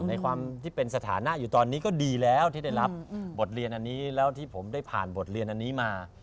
ในความที่เป็นสถานะอยู่ตอนนี้ก็ดีแล้วที่ได้รับบทเรียนอันนี้แล้วที่ผมได้ผ่านบทเรียนอันนี้มา